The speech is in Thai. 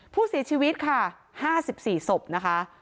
ผู้เสียชีวิตค่ะ๕๔ศพนะคะ